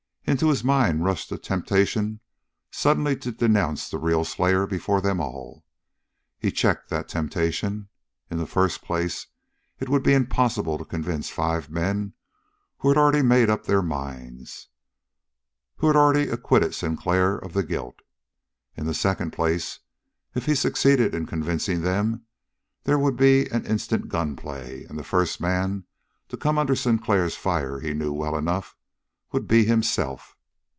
Into his mind rushed a temptation suddenly to denounce the real slayer before them all. He checked that temptation. In the first place it would be impossible to convince five men who had already made up their minds, who had already acquitted Sinclair of the guilt. In the second place, if he succeeded in convincing them, there would be an instant gunplay, and the first man to come under Sinclair's fire, he knew well enough, would be himself.